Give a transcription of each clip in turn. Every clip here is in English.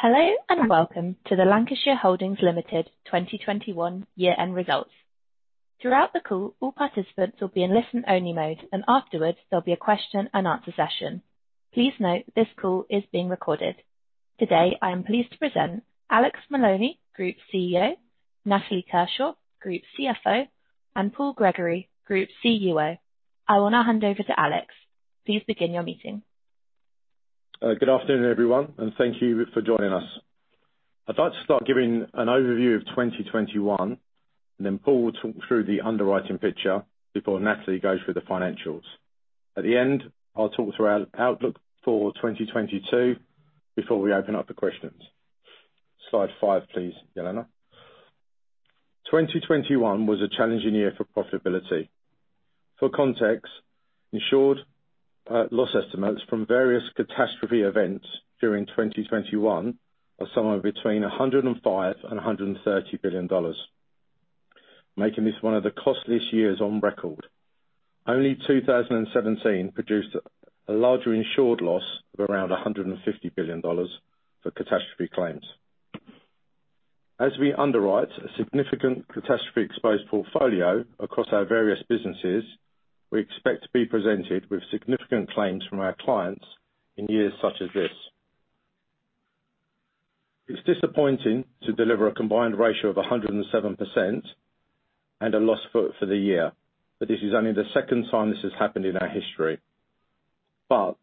Hello, and welcome to the Lancashire Holdings Limited 2021 year-end results. Throughout the call, all participants will be in listen-only mode, and afterwards, there'll be a question and answer session. Please note this call is being recorded. Today, I am pleased to present Alex Maloney, Group CEO, Natalie Kershaw, Group CFO, and Paul Gregory, Group CUO. I wanna hand over to Alex. Please begin your meeting. Good afternoon, everyone, and thank you for joining us. I'd like to start giving an overview of 2021, and then Paul will talk through the underwriting picture before Natalie goes through the financials. At the end, I'll talk through our outlook for 2022 before we open up the questions. Slide five, please, Jelena. 2021 was a challenging year for profitability. For context, insured loss estimates from various catastrophe events during 2021 are somewhere between $105 billion and $130 billion, making this one of the costliest years on record. Only 2017 produced a larger insured loss of around $150 billion for catastrophe claims. As we underwrite a significant catastrophe exposed portfolio across our various businesses, we expect to be presented with significant claims from our clients in years such as this. It's disappointing to deliver a combined ratio of 107% and a loss for the year, but this is only the second time this has happened in our history.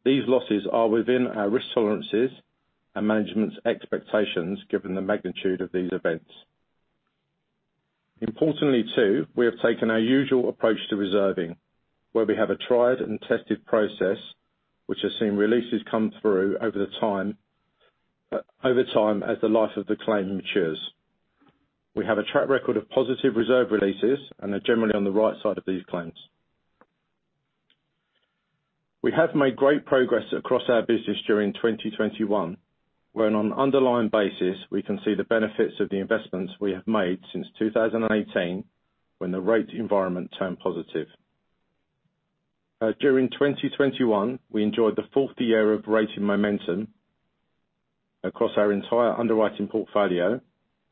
These losses are within our risk tolerances and management's expectations given the magnitude of these events. Importantly, too, we have taken our usual approach to reserving, where we have a tried and tested process which has seen releases come through over time, as the life of the claim matures. We have a track record of positive reserve releases and are generally on the right side of these claims. We have made great progress across our business during 2021, where on an underlying basis we can see the benefits of the investments we have made since 2018 when the rate environment turned positive. During 2021, we enjoyed the fourth year of rating momentum across our entire underwriting portfolio.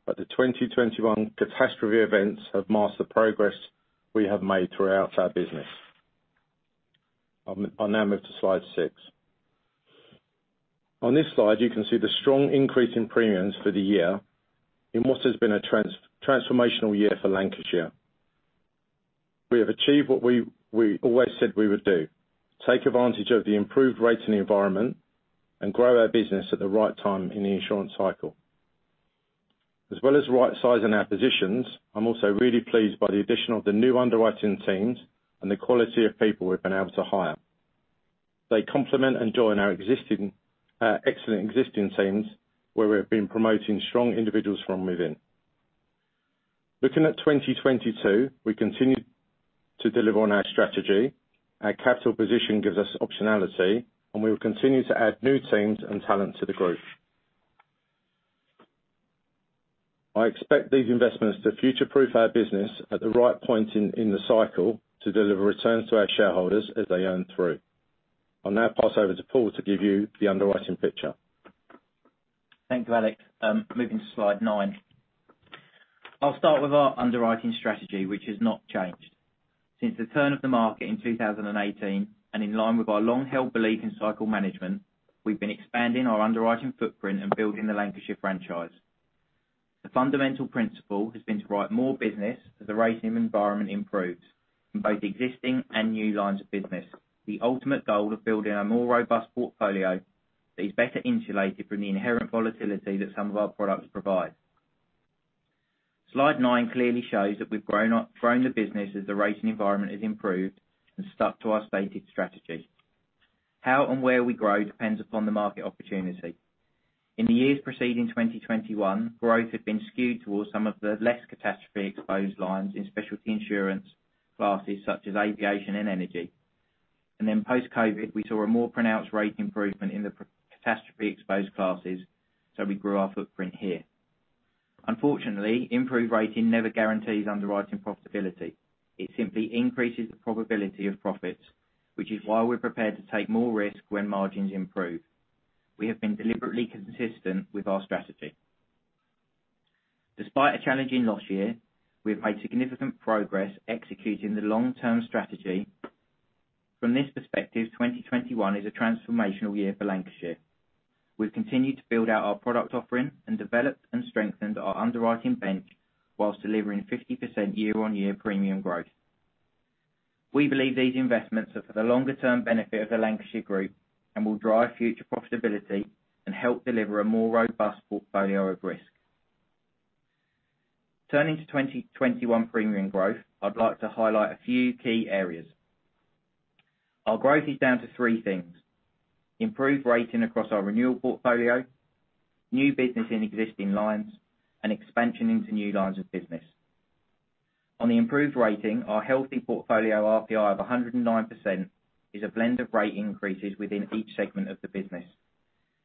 The 2021 catastrophe events have marked the progress we have made throughout our business. I'll now move to slide six. On this slide, you can see the strong increase in premiums for the year in what has been a transformational year for Lancashire. We have achieved what we always said we would do. Take advantage of the improved rating environment and grow our business at the right time in the insurance cycle. As well as right sizing our positions, I'm also really pleased by the addition of the new underwriting teams and the quality of people we've been able to hire. They complement and join our existing excellent teams, where we have been promoting strong individuals from within. Looking at 2022, we continue to deliver on our strategy. Our capital position gives us optionality, and we will continue to add new teams and talent to the group. I expect these investments to future-proof our business at the right point in the cycle to deliver returns to our shareholders as they earn through. I'll now pass over to Paul to give you the underwriting picture. Thank you, Alex. Moving to slide nine. I'll start with our underwriting strategy, which has not changed. Since the turn of the market in 2018, and in line with our long-held belief in cycle management, we've been expanding our underwriting footprint and building the Lancashire franchise. The fundamental principle has been to write more business as the rating environment improves in both existing and new lines of business. The ultimate goal of building a more robust portfolio that is better insulated from the inherent volatility that some of our products provide. Slide nine clearly shows that we've grown the business as the rating environment has improved and stuck to our stated strategy. How and where we grow depends upon the market opportunity. In the years preceding 2021, growth had been skewed towards some of the less catastrophe exposed lines in specialty insurance classes such as aviation and energy. Then post-COVID, we saw a more pronounced rate improvement in the catastrophe exposed classes, so we grew our footprint here. Unfortunately, improved rating never guarantees underwriting profitability. It simply increases the probability of profits, which is why we're prepared to take more risk when margins improve. We have been deliberately consistent with our strategy. Despite a challenging last year, we have made significant progress executing the long-term strategy. From this perspective, 2021 is a transformational year for Lancashire. We've continued to build out our product offering and developed and strengthened our underwriting bench while delivering 50% year-over-year premium growth. We believe these investments are for the longer term benefit of the Lancashire group and will drive future profitability and help deliver a more robust portfolio of risk. Turning to 2021 premium growth, I'd like to highlight a few key areas. Our growth is down to three things: improved rating across our renewal portfolio, new business in existing lines, and expansion into new lines of business. On the improved rating, our healthy portfolio RPI of 109% is a blend of rate increases within each segment of the business.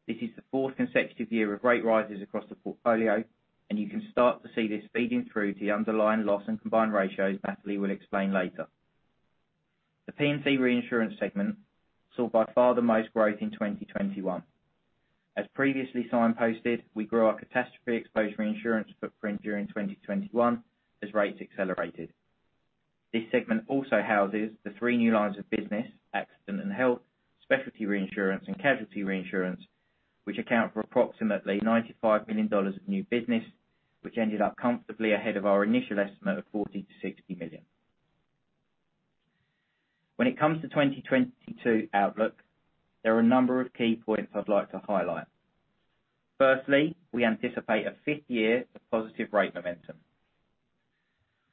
This is the fourth consecutive year of rate rises across the portfolio, and you can start to see this feeding through to the underlying loss and combined ratios Natalie will explain later. The P&C reinsurance segment saw by far the most growth in 2021. As previously signposted, we grew our catastrophe exposure insurance footprint during 2021 as rates accelerated. This segment also houses the three new lines of business, accident and health, specialty reinsurance, and casualty reinsurance, which account for approximately $95 million of new business, which ended up comfortably ahead of our initial estimate of $40 million-$60 million. When it comes to 2022 outlook, there are a number of key points I'd like to highlight. Firstly, we anticipate a fifth year of positive rate momentum.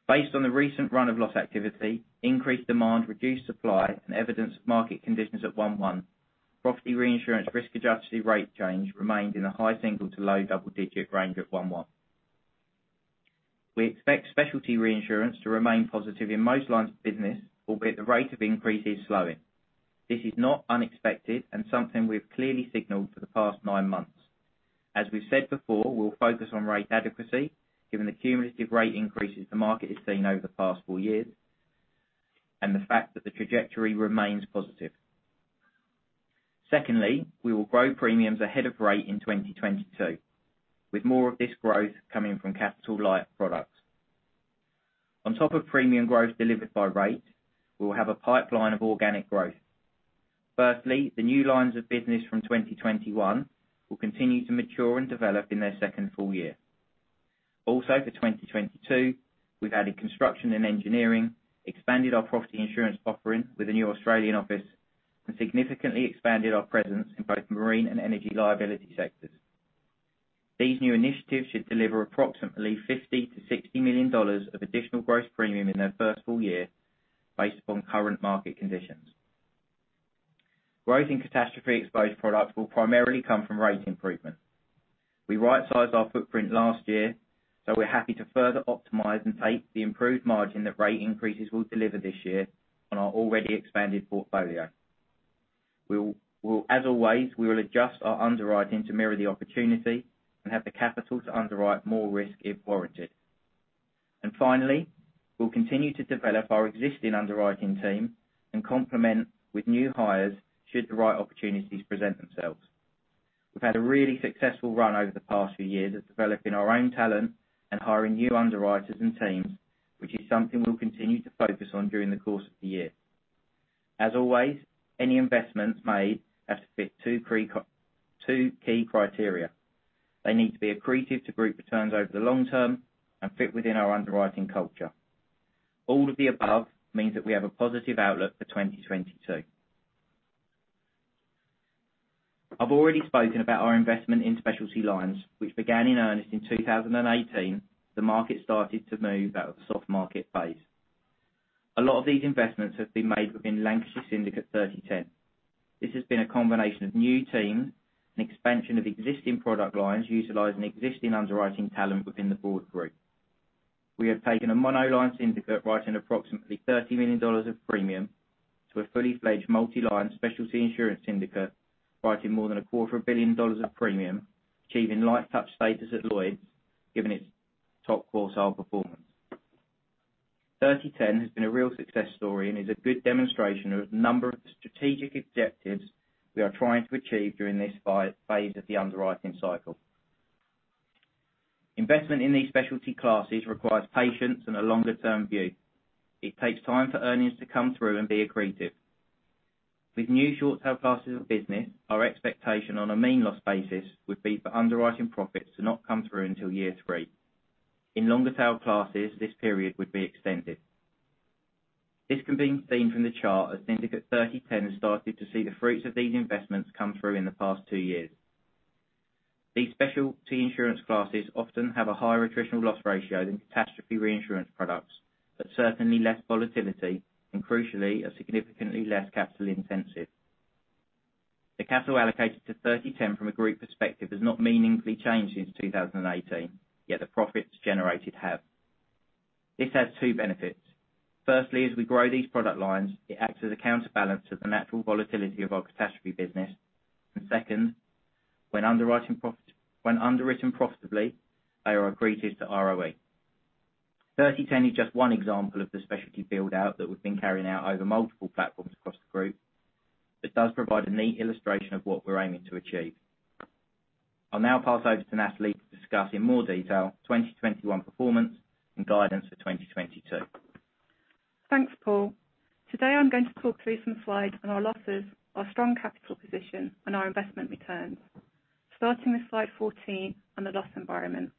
Based on the recent run of loss activity, increased demand, reduced supply, and evidence of market conditions at 1-1, property reinsurance risk-adjusted rate change remained in the high single- to low double-digit range at 1-1. We expect specialty reinsurance to remain positive in most lines of business, albeit the rate of increase is slowing. This is not unexpected and something we've clearly signaled for the past nine months. As we've said before, we'll focus on rate adequacy, given the cumulative rate increases the market has seen over the past four years, and the fact that the trajectory remains positive. Secondly, we will grow premiums ahead of rate in 2022, with more of this growth coming from capital light products. On top of premium growth delivered by rate, we will have a pipeline of organic growth. Firstly, the new lines of business from 2021 will continue to mature and develop in their second full year. Also, for 2022, we've added construction and engineering, expanded our property insurance offering with a new Australian office, and significantly expanded our presence in both marine and energy liability sectors. These new initiatives should deliver approximately $50 million-$60 million of additional gross premium in their first full year based upon current market conditions. Growth in catastrophe exposed products will primarily come from rate improvement. We right-sized our footprint last year, so we're happy to further optimize and take the improved margin that rate increases will deliver this year on our already expanded portfolio. We will, as always, adjust our underwriting to mirror the opportunity and have the capital to underwrite more risk if warranted. Finally, we'll continue to develop our existing underwriting team and complement with new hires should the right opportunities present themselves. We've had a really successful run over the past few years of developing our own talent and hiring new underwriters and teams, which is something we'll continue to focus on during the course of the year. As always, any investments made have to fit two key criteria. They need to be accretive to group returns over the long term and fit within our underwriting culture. All of the above means that we have a positive outlook for 2022. I've already spoken about our investment in specialty lines, which began in earnest in 2018. The market started to move out of a soft market phase. A lot of these investments have been made within Lancashire Syndicate 3010. This has been a combination of new teams and expansion of existing product lines utilizing existing underwriting talent within the broader group. We have taken a monoline syndicate writing approximately $30 million of premium to a fully fledged multi-line specialty insurance syndicate writing more than $250 million of premium, achieving light touch status at Lloyd's, given its top quartile performance. 3010 has been a real success story and is a good demonstration of the number of strategic objectives we are trying to achieve during this fifth phase of the underwriting cycle. Investment in these specialty classes requires patience and a longer term view. It takes time for earnings to come through and be accretive. With new short tail classes of business, our expectation on a mean loss basis would be for underwriting profits to not come through until year three. In longer tail classes, this period would be extended. This can be seen from the chart as Syndicate 3010 has started to see the fruits of these investments come through in the past two years. These specialty insurance classes often have a higher attritional loss ratio than catastrophe reinsurance products, but certainly less volatility and crucially, are significantly less capital intensive. The capital allocated to 3010 from a group perspective has not meaningfully changed since 2018, yet the profits generated have. This has two benefits. Firstly, as we grow these product lines, it acts as a counterbalance to the natural volatility of our catastrophe business. Second, when underwritten profitably, they are accretive to ROE. 3010 is just one example of the specialty build-out that we've been carrying out over multiple platforms across the group. It does provide a neat illustration of what we're aiming to achieve. I'll now pass over to Natalie to discuss in more detail 2021 performance and guidance for 2022. Thanks, Paul. Today, I'm going to talk through some slides on our losses, our strong capital position, and our investment returns. Starting with slide 14 on the loss environment.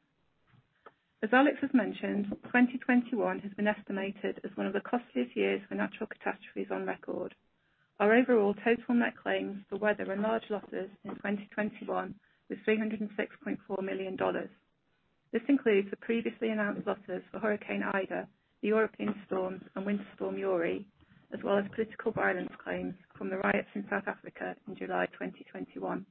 As Alex has mentioned, 2021 has been estimated as one of the costliest years for natural catastrophes on record. Our overall total net claims for where there were large losses in 2021 was $306.4 million. This includes the previously announced losses for Hurricane Ida, the European storms, and Winter Storm Uri, as well as political violence claims from the riots in South Africa in July 2021.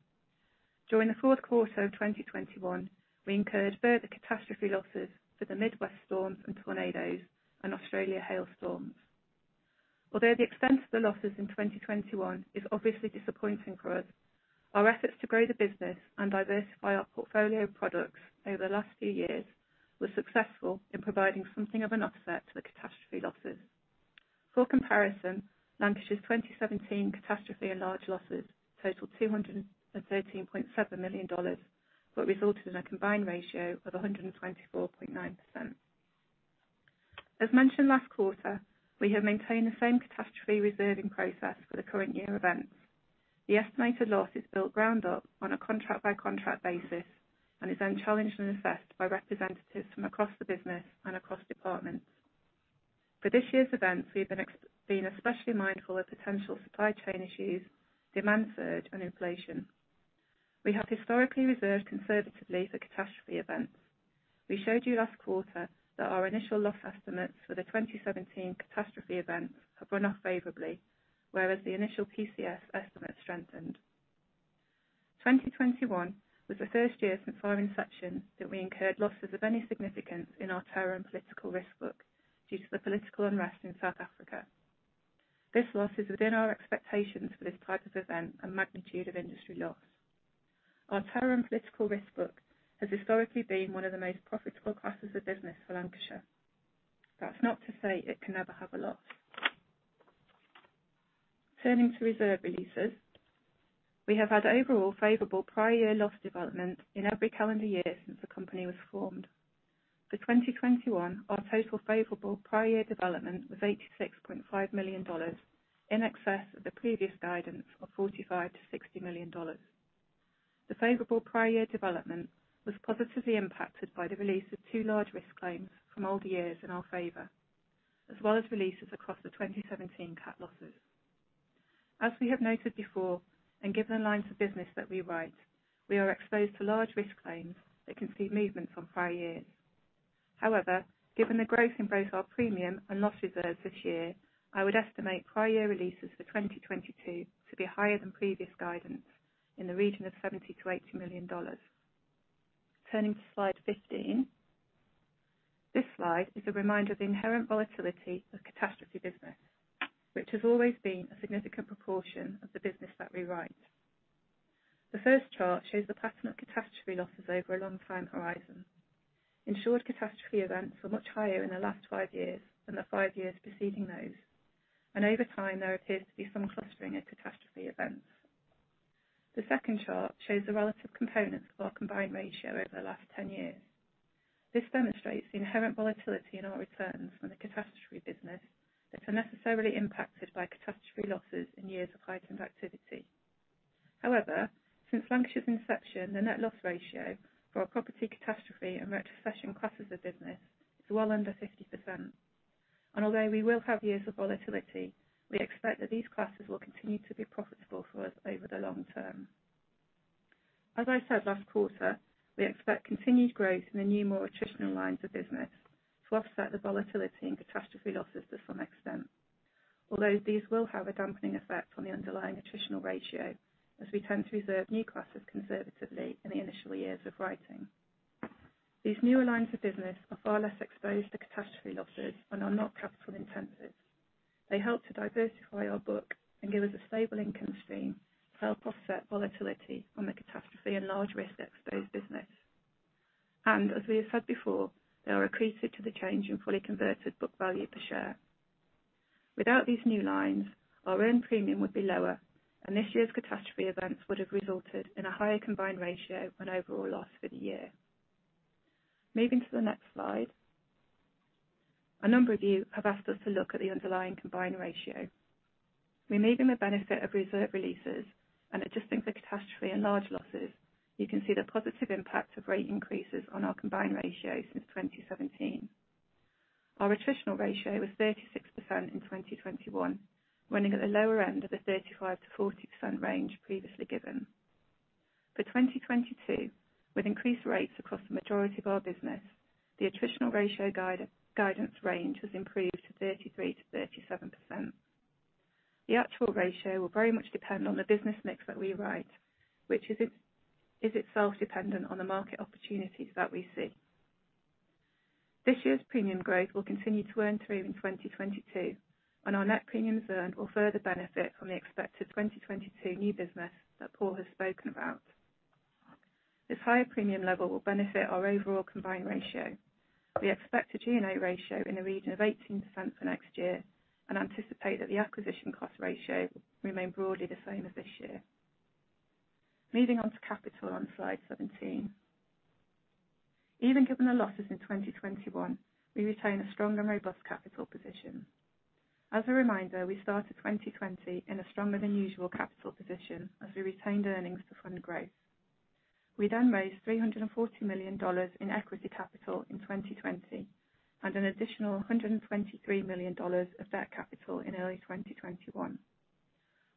During the fourth quarter of 2021, we incurred further catastrophe losses for the Midwest storms and tornadoes and Australia hailstorms. Although the extent of the losses in 2021 is obviously disappointing for us. Our efforts to grow the business and diversify our portfolio of products over the last few years was successful in providing something of an offset to the catastrophe losses. For comparison, Lancashire's 2017 catastrophe and large losses totaled $213.7 million, but resulted in a combined ratio of 124.9%. As mentioned last quarter, we have maintained the same catastrophe reserving process for the current year events. The estimated loss is built ground up on a contract by contract basis and is then challenged and assessed by representatives from across the business and across departments. For this year's events, we have been especially mindful of potential supply chain issues, demand surge, and inflation. We have historically reserved conservatively for catastrophe events. We showed you last quarter that our initial loss estimates for the 2017 catastrophe events have run off favorably, whereas the initial PCS estimates strengthened. 2021 was the first year since our inception that we incurred losses of any significance in our terrorism and political risk book due to the political unrest in South Africa. This loss is within our expectations for this type of event and magnitude of industry loss. Our terrorism and political risk book has historically been one of the most profitable classes of business for Lancashire. That's not to say it can never have a loss. Turning to reserve releases. We have had overall favorable prior year loss development in every calendar year since the company was formed. For 2021, our total favorable prior year development was $86.5 million in excess of the previous guidance of $45 million-$60 million. The favorable prior year development was positively impacted by the release of two large risk claims from older years in our favor, as well as releases across the 2017 cat losses. As we have noted before, and given the lines of business that we write, we are exposed to large risk claims that can see movements on prior years. However, given the growth in both our premium and loss reserves this year, I would estimate prior year releases for 2022 to be higher than previous guidance in the region of $70 million-$80 million. Turning to slide 15. This slide is a reminder of the inherent volatility of catastrophe business, which has always been a significant proportion of the business that we write. The first chart shows the pattern of catastrophe losses over a long time horizon. Insured catastrophe events were much higher in the last five years than the five years preceding those, and over time, there appears to be some clustering of catastrophe events. The second chart shows the relative components of our combined ratio over the last 10 years. This demonstrates the inherent volatility in our returns from the catastrophe business that are necessarily impacted by catastrophe losses in years of heightened activity. However, since Lancashire's inception, the net loss ratio for our property catastrophe and retrocession classes of business is well under 50%. Although we will have years of volatility, we expect that these classes will continue to be profitable for us over the long term. As I said last quarter, we expect continued growth in the new, more attritional lines of business to offset the volatility and catastrophe losses to some extent. Although these will have a dampening effect on the underlying attritional ratio, as we tend to reserve new classes conservatively in the initial years of writing. These newer lines of business are far less exposed to catastrophe losses and are not capital intensive. They help to diversify our book and give us a stable income stream to help offset volatility from the catastrophe and large risk exposed business. As we have said before, they are accretive to the change in fully converted book value per share. Without these new lines, our earned premium would be lower, and this year's catastrophe events would have resulted in a higher combined ratio and overall loss for the year. Moving to the next slide. A number of you have asked us to look at the underlying combined ratio. Removing the benefit of reserve releases and adjusting for catastrophe and large losses, you can see the positive impact of rate increases on our combined ratio since 2017. Our attritional ratio was 36% in 2021, running at the lower end of the 35%-40% range previously given. For 2022, with increased rates across the majority of our business, the attritional ratio guidance range has improved to 33%-37%. The actual ratio will very much depend on the business mix that we write, which is itself dependent on the market opportunities that we see. This year's premium growth will continue to earn through in 2022, and our net premiums earned will further benefit from the expected 2022 new business that Paul has spoken about. This higher premium level will benefit our overall combined ratio. We expect a G&A ratio in the region of 18% for next year and anticipate that the acquisition cost ratio will remain broadly the same as this year. Moving on to capital on slide 17. Even given the losses in 2021, we retain a strong and robust capital position. As a reminder, we started 2020 in a stronger than usual capital position as we retained earnings to fund growth. We then raised $340 million in equity capital in 2020 and an additional $123 million of debt capital in early 2021.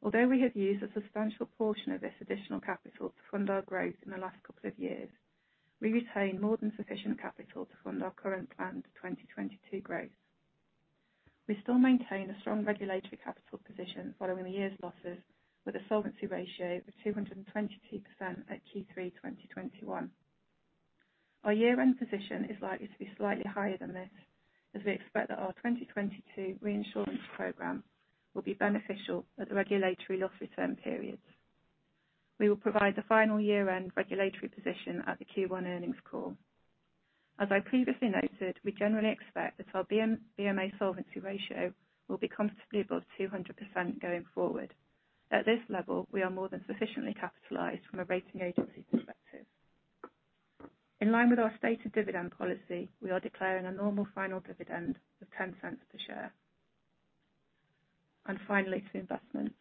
Although we have used a substantial portion of this additional capital to fund our growth in the last couple of years, we retain more than sufficient capital to fund our current planned 2022 growth. We still maintain a strong regulatory capital position following the year's losses with a solvency ratio of 222% at Q3 2021. Our year end position is likely to be slightly higher than this as we expect that our 2022 reinsurance program will be beneficial at the regulatory loss return periods. We will provide the final year end regulatory position at the Q1 earnings call. As I previously noted, we generally expect that our BMA solvency ratio will be comfortably above 200% going forward. At this level, we are more than sufficiently capitalized from a rating agency perspective. In line with our stated dividend policy, we are declaring a normal final dividend of $0.10 per share. Finally, to investments.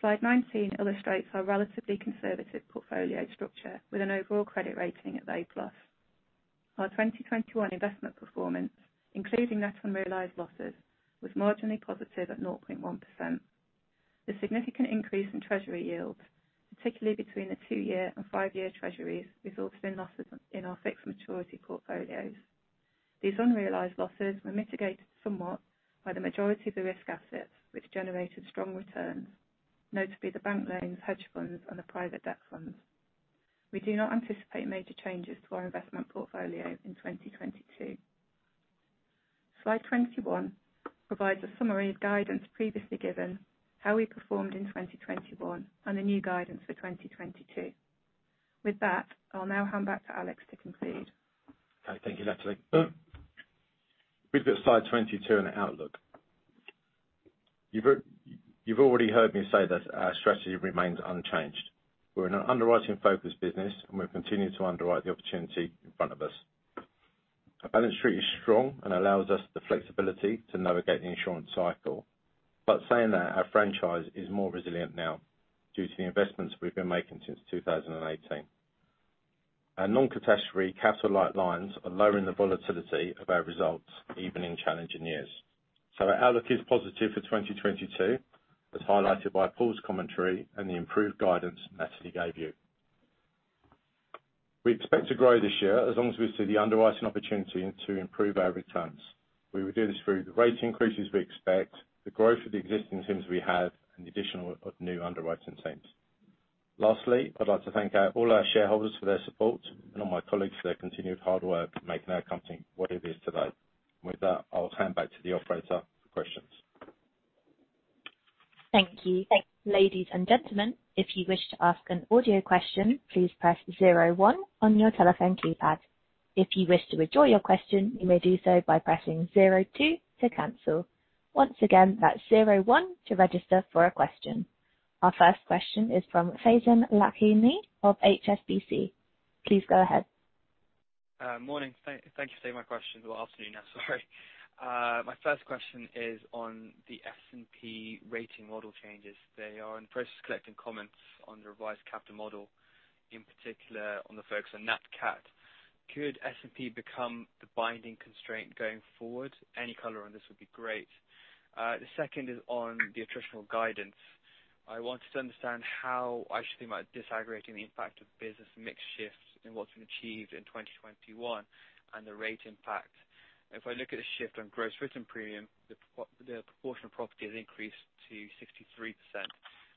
Slide 19 illustrates our relatively conservative portfolio structure with an overall credit rating at A+. Our 2021 investment performance, including net unrealized losses, was marginally positive at 0.1%. The significant increase in treasury yields, particularly between the two-year and five-year treasuries, resulted in losses in our fixed maturity portfolios. These unrealized losses were mitigated somewhat by the majority of the risk assets which generated strong returns, notably the bank loans, hedge funds, and the private debt funds. We do not anticipate major changes to our investment portfolio in 2022. Slide 21 provides a summary of guidance previously given, how we performed in 2021 and the new guidance for 2022. With that, I'll now hand back to Alex to conclude. Okay. Thank you, Natalie. We've got slide 22 on the outlook. You've already heard me say that our strategy remains unchanged. We're an underwriting focused business, and we're continuing to underwrite the opportunity in front of us. Our balance sheet is strong and allows us the flexibility to navigate the insurance cycle. Saying that, our franchise is more resilient now due to the investments we've been making since 2018. Our non-catastrophe capital light lines are lowering the volatility of our results even in challenging years. Our outlook is positive for 2022, as highlighted by Paul's commentary and the improved guidance Natalie gave you. We expect to grow this year as long as we see the underwriting opportunity and to improve our returns. We will do this through the rate increases we expect, the growth of the existing teams we have and the addition of new underwriting teams. Lastly, I'd like to thank all our shareholders for their support and all my colleagues for their continued hard work making our company what it is today. With that, I'll hand back to the operator for questions. Thank you. Ladies and gentlemen, if you wish to ask an audio question, please press zero one on your telephone keypad. If you wish to withdraw your question, you may do so by pressing zero two to cancel. Once again, that's zero one to register for a question. Our first question is from Faizan Lakhani of HSBC. Please go ahead. Morning. Thank you for taking my question. Well, afternoon now, sorry. My first question is on the S&P rating model changes. They are in the process of collecting comments on the revised capital model, in particular on the focus on Nat Cat. Could S&P become the binding constraint going forward? Any color on this would be great. The second is on the attritional guidance. I wanted to understand how I should be disaggregating the impact of business mix shifts in what's been achieved in 2021 and the rate impact. If I look at the shift on gross written premium, the proportion of property has increased to 63%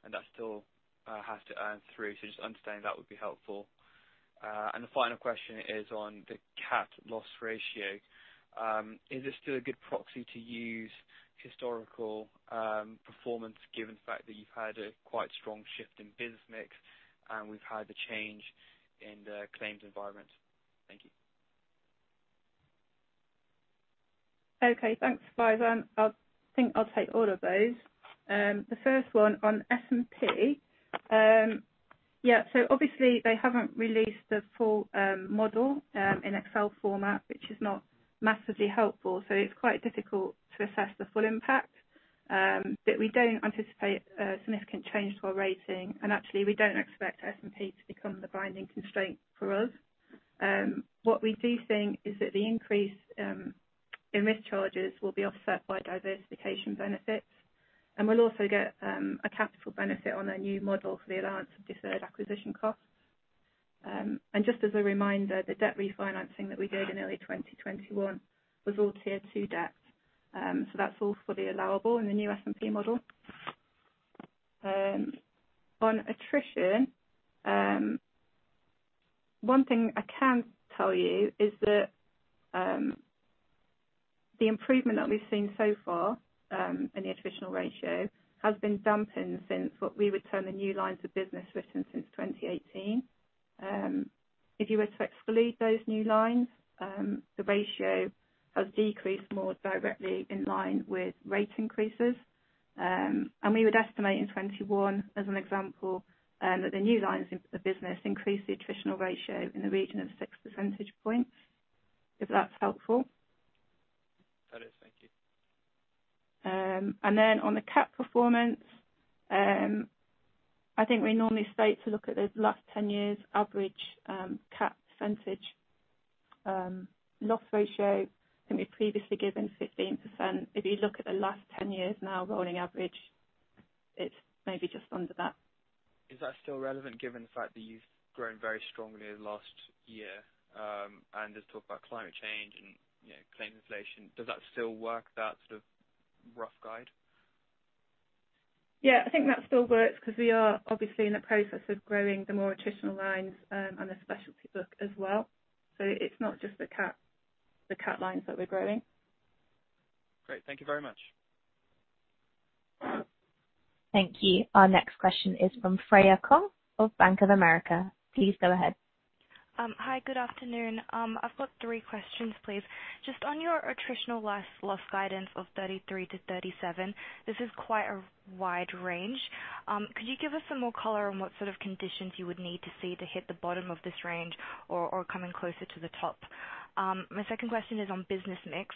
and that still has to earn through. Just understanding that would be helpful. The final question is on the cat loss ratio. Is this still a good proxy to use historical performance given the fact that you've had a quite strong shift in business mix and we've had the change in the claims environment? Thank you. Okay, thanks, Faizan. I think I'll take all of those. The first one on S&P. Yeah, so obviously they haven't released the full model in Excel format, which is not massively helpful. It's quite difficult to assess the full impact. We don't anticipate a significant change to our rating. Actually we don't expect S&P to become the binding constraint for us. What we do think is that the increase in risk charges will be offset by diversification benefits. We'll also get a capital benefit on our new model for the allowance of deferred acquisition costs. Just as a reminder, the debt refinancing that we did in early 2021 was all Tier two debt. That's all fully allowable in the new S&P model. On attrition, one thing I can tell you is that the improvement that we've seen so far in the attritional ratio has been dampened since what we would term the new lines of business written since 2018. If you were to exclude those new lines, the ratio has decreased more directly in line with rate increases. We would estimate in 2021, as an example, that the new lines of business increased the attritional ratio in the region of 6 percentage points, if that's helpful. That is. Thank you. On the cat performance, I think we normally state to look at the last 10 years average, cat percentage, loss ratio. I think we've previously given 15%. If you look at the last 10 years now rolling average, it's maybe just under that. Is that still relevant given the fact that you've grown very strongly in the last year, and there's talk about climate change and, you know, claim inflation? Does that still work, that sort of rough guide? Yeah, I think that still works because we are obviously in the process of growing the more attritional lines on the specialty book as well. It's not just the cat lines that we're growing. Great. Thank you very much. Thank you. Our next question is from Freya Kong of Bank of America. Please go ahead. Hi, good afternoon. I've got three questions, please. Just on your attritional loss ratio guidance of 33%-37%, this is quite a wide range. Could you give us some more color on what sort of conditions you would need to see to hit the bottom of this range or coming closer to the top? My second question is on business mix.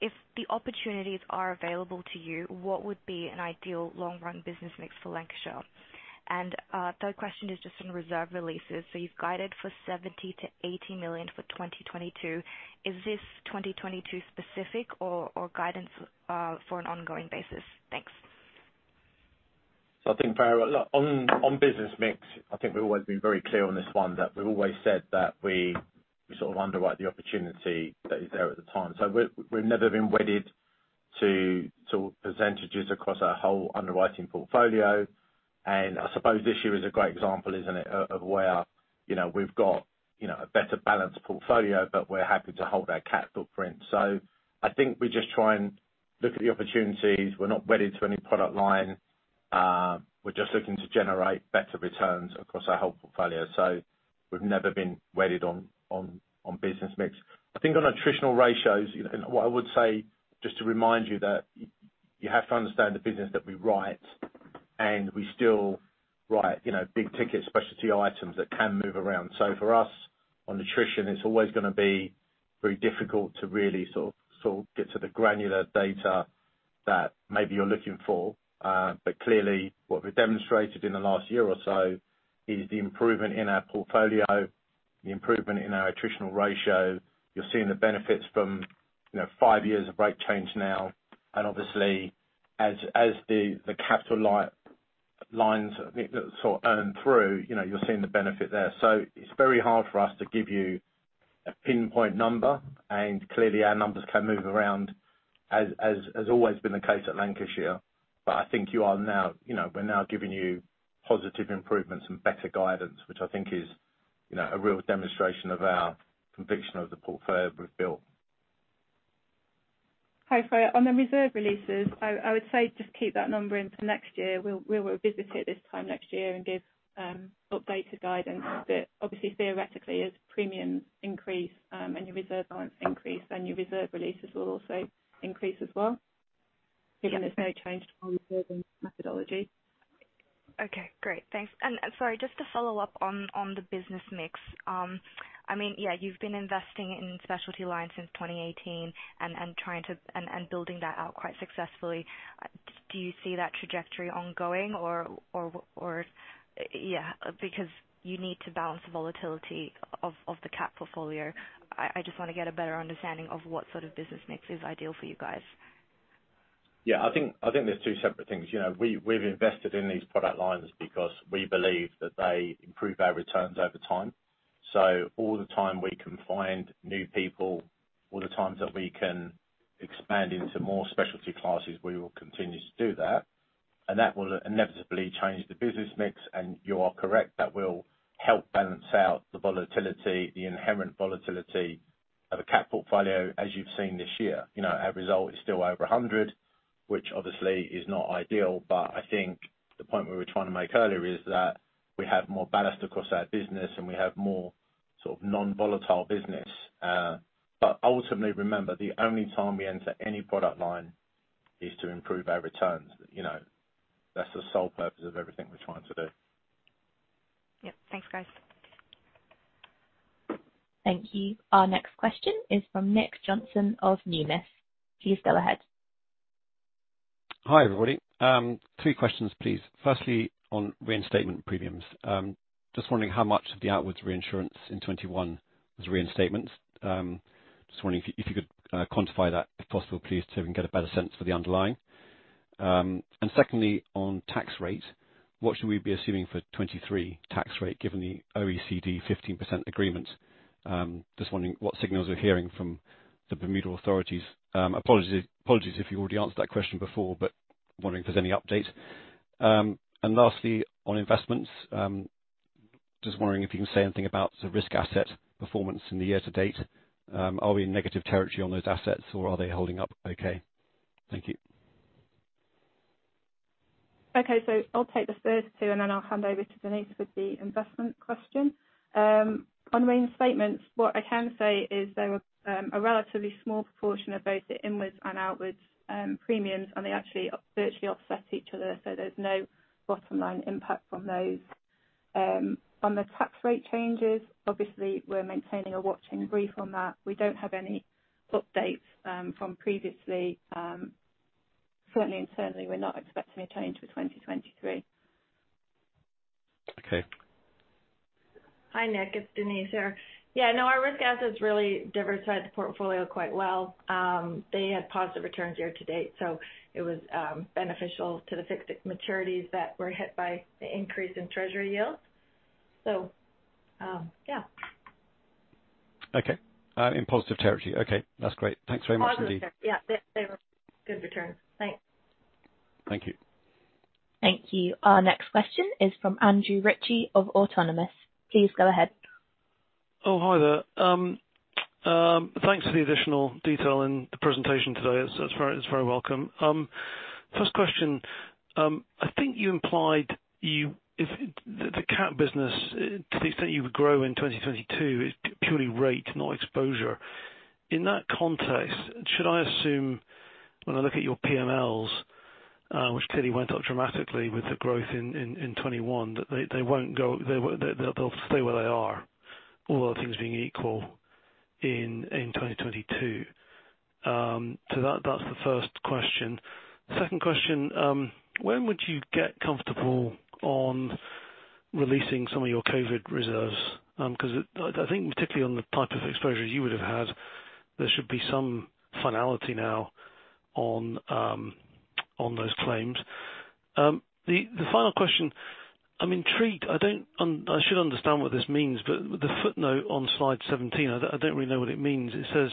If the opportunities are available to you, what would be an ideal long run business mix for Lancashire? Third question is just on reserve releases. You've guided for $70 million-$80 million for 2022. Is this 2022 specific or guidance for an ongoing basis? Thanks. I think, Freya, look, on business mix, I think we've always been very clear on this one, that we've always said that we sort of underwrite the opportunity that is there at the time. We've never been wedded to sort of percentages across our whole underwriting portfolio. I suppose this year is a great example, isn't it, of where, you know, we've got, you know, a better balanced portfolio, but we're happy to hold our cat footprint. I think we just try and look at the opportunities. We're not wedded to any product line. We're just looking to generate better returns across our whole portfolio. We've never been wedded on business mix. I think on attritional ratios, you know, what I would say, just to remind you that you have to understand the business that we write, and we still write, you know, big ticket specialty items that can move around. So for us, on attrition, it's always gonna be very difficult to really sort of get to the granular data that maybe you're looking for. But clearly what we've demonstrated in the last year or so is the improvement in our portfolio, the improvement in our attritional ratio. You're seeing the benefits from, you know, five years of rate change now. Obviously as the capital lines sort of earn through, you know, you're seeing the benefit there. It's very hard for us to give you a pinpoint number. Clearly our numbers can move around as always been the case at Lancashire. I think you are now, you know, we're now giving you positive improvements and better guidance, which I think is, you know, a real demonstration of our conviction of the portfolio we've built. Hi, Freya. On the reserve releases, I would say just keep that number in for next year. We'll revisit it this time next year and give updated guidance. Obviously, theoretically, as premiums increase, and your reserve balance increase, then your reserve releases will also increase as well. Yeah. Given there's no change to our reserving methodology. Okay, great. Thanks. Sorry, just to follow up on the business mix. I mean, yeah, you've been investing in specialty lines since 2018 and building that out quite successfully. Do you see that trajectory ongoing or yeah, because you need to balance the volatility of the cat portfolio. I just want to get a better understanding of what sort of business mix is ideal for you guys. I think there's two separate things. You know, we've invested in these product lines because we believe that they improve our returns over time. All the time we can find new people, all the times that we can expand into more specialty classes, we will continue to do that. That will inevitably change the business mix. You are correct, that will help balance out the volatility, the inherent volatility of a cat portfolio, as you've seen this year. You know, our result is still over 100, which obviously is not ideal, but I think the point we were trying to make earlier is that we have more ballast across our business, and we have more sort of non-volatile business. But ultimately, remember, the only time we enter any product line is to improve our returns. You know, that's the sole purpose of everything we're trying to do. Yep. Thanks, guys. Thank you. Our next question is from Nick Johnson of Numis. Please go ahead. Hi, everybody. Three questions, please. Firstly, on reinstatement premiums, just wondering how much of the outwards reinsurance in 2021 was reinstatements. Just wondering if you could quantify that if possible, please, to even get a better sense for the underlying. And secondly, on tax rate, what should we be assuming for 2023 tax rate given the OECD 15% agreement? Just wondering what signals you're hearing from the Bermuda authorities. Apologies if you already answered that question before, but wondering if there's any update. And lastly, on investments, just wondering if you can say anything about the risk asset performance in the year to date. Are we in negative territory on those assets or are they holding up okay? Thank you. Okay. I'll take the first two and then I'll hand over to Denise with the investment question. On reinstatements, what I can say is they were a relatively small proportion of both the inwards and outwards premiums, and they actually virtually offset each other, so there's no bottom line impact from those. On the tax rate changes, obviously we're maintaining a watching brief on that. We don't have any updates from previously. Certainly we're not expecting a change for 2023. Okay. Hi, Nick. It's Denise here. Yeah, no, our risk assets really diversified the portfolio quite well. They had positive returns year to date, so it was beneficial to the fixed maturities that were hit by the increase in Treasury yields. Yeah. Okay. In positive territory. Okay. That's great. Thanks very much indeed. Positive territory. Yeah. They were good return. Thanks. Thank you. Thank you. Our next question is from Andrew Ritchie of Autonomous. Please go ahead. Oh, hi there. Thanks for the additional detail in the presentation today. It's very welcome. First question. I think you implied if the cat business, to the extent you would grow in 2022 is purely rate, not exposure. In that context, should I assume when I look at your PMLs, which clearly went up dramatically with the growth in 2021, that they'll stay where they are, all other things being equal in 2022. That's the first question. Second question, when would you get comfortable on releasing some of your COVID reserves? 'Cause I think particularly on the type of exposure you would have had, there should be some finality now on those claims. The final question, I'm intrigued. I should understand what this means, but the footnote on slide 17, I don't really know what it means. It says,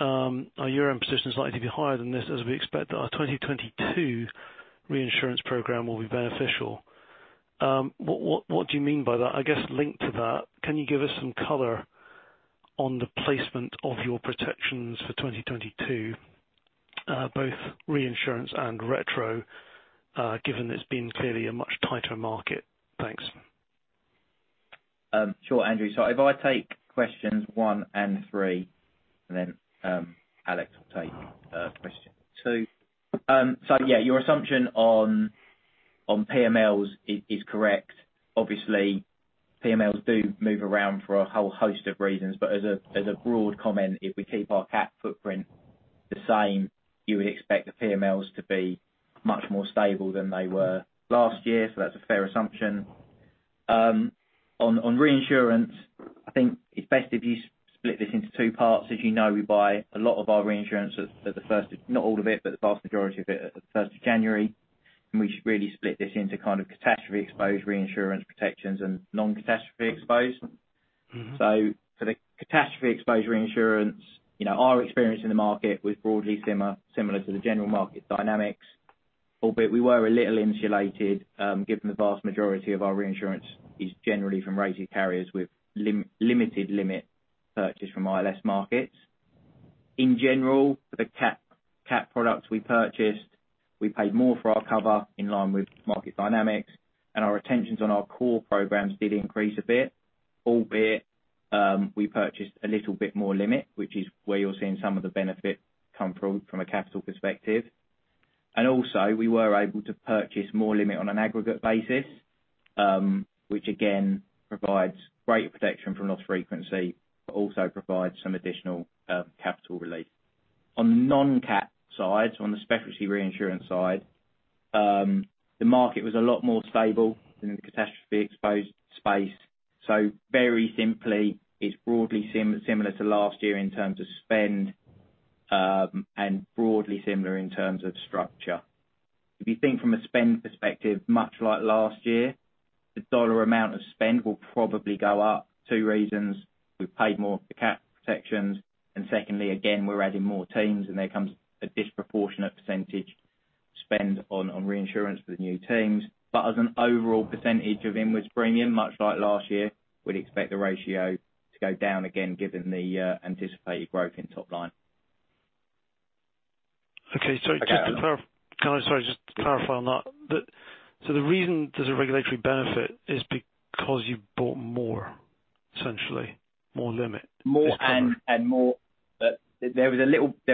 "Our year-end position is likely to be higher than this, as we expect that our 2022 reinsurance program will be beneficial." What do you mean by that? I guess linked to that, can you give us some color on the placement of your protections for 2022, both reinsurance and retro, given it's been clearly a much tighter market? Thanks. Sure, Andrew. If I take questions one and three, and then, Alex will take, question two. Yeah, your assumption on PMLs is correct. Obviously, PMLs do move around for a whole host of reasons. As a broad comment, if we keep our cat footprint the same, you would expect the PMLs to be much more stable than they were last year. That's a fair assumption. On reinsurance, I think it's best if you split this into two parts. As you know, we buy a lot of our reinsurance at the 1st of January. Not all of it, but the vast majority of it, at the 1st of January. We should really split this into kind of catastrophe exposed reinsurance protections and non-catastrophe exposed. Mm-hmm. For the catastrophe exposed reinsurance, you know, our experience in the market was broadly similar to the general market dynamics, albeit we were a little insulated, given the vast majority of our reinsurance is generally from rated carriers with limited limit purchase from ILS markets. In general, for the cat products we purchased, we paid more for our cover in line with market dynamics, and our retentions on our core programs did increase a bit, albeit we purchased a little bit more limit, which is where you're seeing some of the benefit come from a capital perspective. We were able to purchase more limit on an aggregate basis, which again provides greater protection from loss frequency, but also provides some additional capital relief. On the non-cat side, so on the specialty reinsurance side, the market was a lot more stable than the catastrophe exposed space. Very simply, it's broadly similar to last year in terms of spend, and broadly similar in terms of structure. If you think from a spend perspective, much like last year, the dollar amount of spend will probably go up. Two reasons. We've paid more for cat protections, and secondly, again, we're adding more teams, and there comes a disproportionate percentage spend on reinsurance for the new teams. As an overall percentage of inwards premium, much like last year, we'd expect the ratio to go down again, given the anticipated growth in top line. Okay. Sorry, just to clarify. Okay. Sorry, just to clarify on that. The reason there's a regulatory benefit is because you've bought more, essentially, more limit, more cover. More and more. There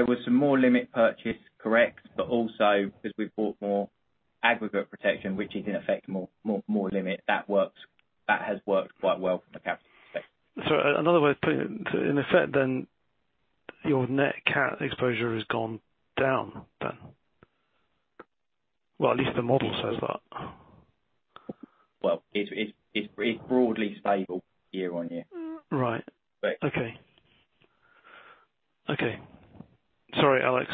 was some more limit purchase, correct. But also, because we bought more aggregate protection, which is in effect more limit. That has worked quite well from a capital perspective. Another way of putting it, so in effect then, your net cat exposure has gone down then. Well, at least the model says that. Well, it's broadly stable year-over-year. Right. But- Okay. Sorry, Alex.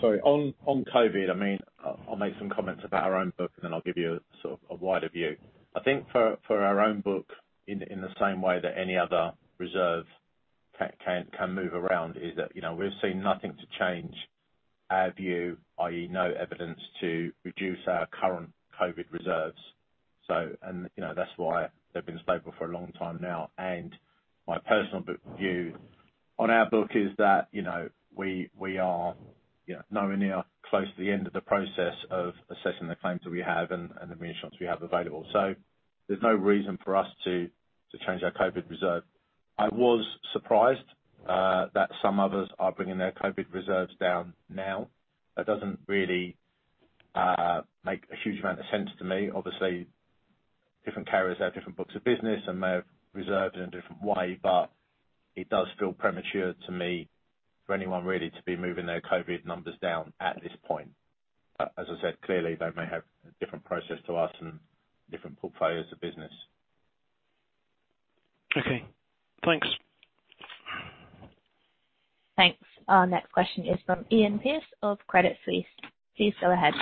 Sorry. On COVID, I mean, I'll make some comments about our own book and then I'll give you a sort of a wider view. I think for our own book, in the same way that any other reserve can move around, you know, we've seen nothing to change our view, i.e. no evidence to reduce our current COVID reserves. You know, that's why they've been stable for a long time now. My personal view on our book is that, you know, we are, you know, nowhere near close to the end of the process of assessing the claims that we have and the reinsurance we have available. There's no reason for us to change our COVID reserve. I was surprised that some others are bringing their COVID reserves down now. That doesn't really make a huge amount of sense to me. Obviously, different carriers have different books of business and may have reserved in a different way, but it does feel premature to me, for anyone really, to be moving their COVID numbers down at this point. As I said, clearly they may have a different process to us and different portfolios of business. Okay, thanks. Thanks. Our next question is from Iain Pearce of Credit Suisse. Please go ahead.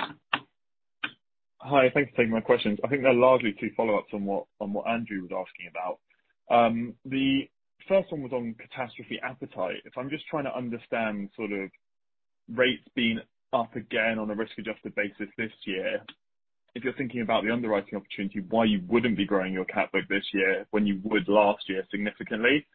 Hi. Thank you for taking my questions. I think they're largely two follow-ups on what Andrew was asking about. The first one was on catastrophe appetite. If I'm just trying to understand sort of rates being up again on a risk-adjusted basis this year, if you're thinking about the underwriting opportunity, why you wouldn't be growing your cat book this year when you would last year significantly?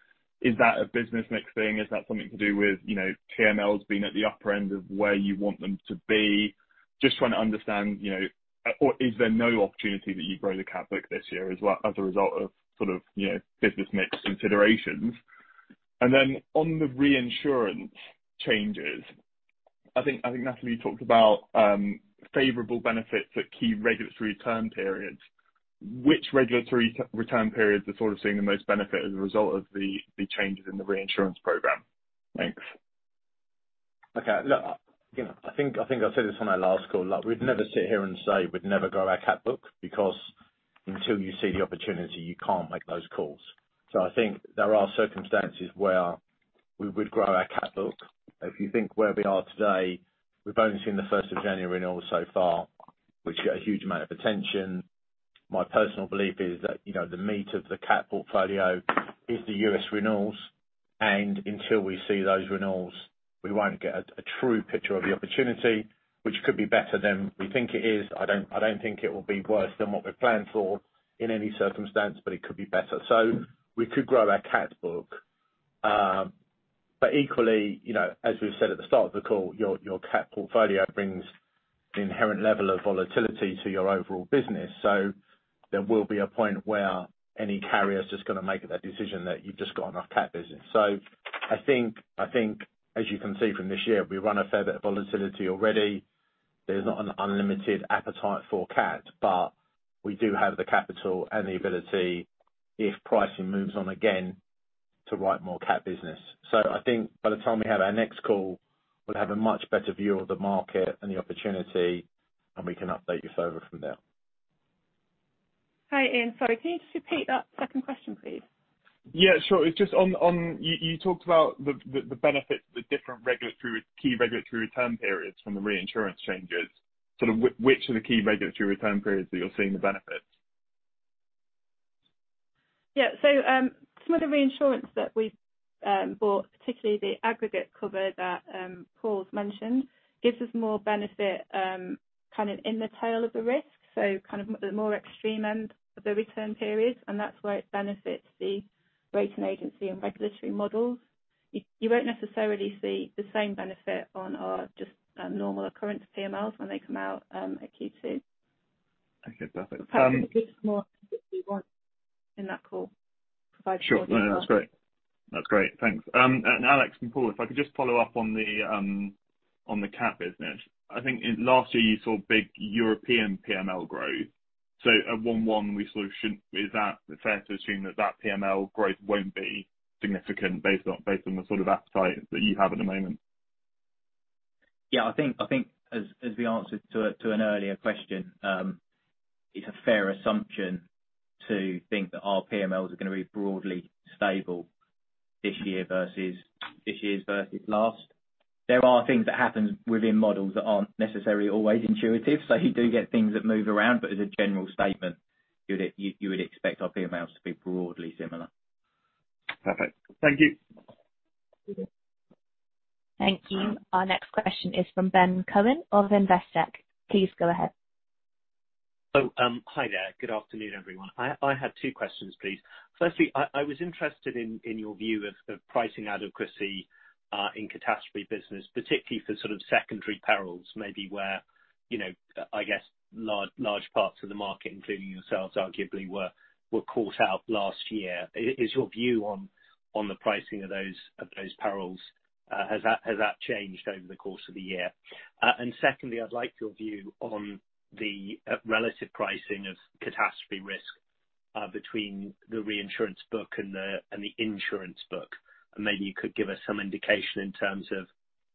Is that a business mix thing? Is that something to do with, you know, PMLs being at the upper end of where you want them to be? Just trying to understand, you know, or is there no opportunity that you grow the cat book this year as well as a result of sort of, you know, business mix considerations? On the reinsurance changes, I think Natalie talked about favorable benefits at key regulatory return periods. Which regulatory return periods are sort of seeing the most benefit as a result of the changes in the reinsurance program? Thanks. Okay. Look, you know, I think I've said this on our last call. Like, we'd never sit here and say we'd never grow our cat book because until you see the opportunity, you can't make those calls. I think there are circumstances where we would grow our cat book. If you think where we are today, we've only seen the first of January renewals so far, which get a huge amount of attention. My personal belief is that, you know, the meat of the cat portfolio is the U.S. renewals, and until we see those renewals, we won't get a true picture of the opportunity, which could be better than we think it is. I don't think it will be worse than what we've planned for in any circumstance, but it could be better. We could grow our cat book. Equally, you know, as we've said at the start of the call, your cat portfolio brings an inherent level of volatility to your overall business. There will be a point where any carrier's just gonna make that decision that you've just got enough cat business. I think as you can see from this year, we run a fair bit of volatility already. There's not an unlimited appetite for cat, but we do have the capital and the ability if pricing moves on again to write more cat business. I think by the time we have our next call, we'll have a much better view of the market and the opportunity, and we can update you further from there. Hi, Iain. Sorry, can you just repeat that second question, please? Yeah, sure. It's just on you. You talked about the benefit, the different regulatory key regulatory return periods from the reinsurance changes. Sort of, which are the key regulatory return periods that you're seeing the benefit? Some of the reinsurance that we've bought, particularly the aggregate cover that Paul's mentioned, gives us more benefit, kind of in the tail of the risk, so kind of the more extreme end of the return period, and that's where it benefits the rating agency and regulatory models. You won't necessarily see the same benefit on our just normal occurrence PMLs when they come out at Q2. Okay, perfect. Perhaps if there's more specifics you want in that call, I can provide some more detail. Sure. No, no, that's great. That's great. Thanks. Alex and Paul, if I could just follow up on the cat business. I think in last year you saw big European PML growth. At 1-1, we sort of shouldn't. Is that fair to assume that PML growth won't be significant based on the sort of appetite that you have at the moment? Yeah, I think as we answered to an earlier question, it's a fair assumption to think that our PMLs are gonna be broadly stable this year versus last. There are things that happen within models that aren't necessarily always intuitive, so you do get things that move around. But as a general statement, you would expect our PMLs to be broadly similar. Perfect. Thank you. Mm-hmm. Thank you. Our next question is from Ben Cohen of Investec. Please go ahead. Oh, hi there. Good afternoon, everyone. I have two questions, please. Firstly, I was interested in your view of pricing adequacy in catastrophe business, particularly for sort of secondary perils, maybe where, you know, I guess large parts of the market, including yourselves arguably, were caught out last year. Is your view on the pricing of those perils, has that changed over the course of the year? Secondly, I'd like your view on the relative pricing of catastrophe risk between the reinsurance book and the insurance book. Maybe you could give us some indication in terms of